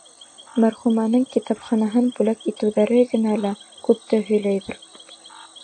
Мәрхүмәнең китапханаһын бүләк итеүҙәре генә лә күпте һөйләйҙер.